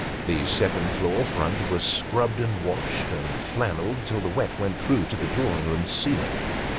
The second floor front was scrubbed, and washed, and flannelled, till the wet went through to the drawing room ceiling.